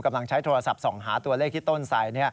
กำลังใช้โทรศัพท์ส่องหาตัวเลขที่ต้นใส่